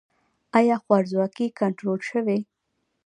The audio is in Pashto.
آیا خوارځواکي کنټرول شوې؟